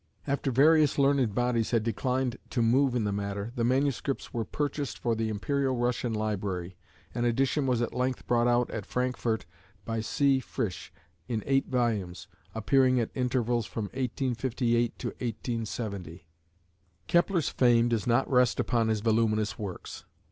After various learned bodies had declined to move in the matter the manuscripts were purchased for the Imperial Russian library. An edition was at length brought out at Frankfort by C. Frisch, in eight volumes, appearing at intervals from 1858 1870. Kepler's fame does not rest upon his voluminous works.